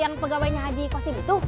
yang pegawainya haji kosib itu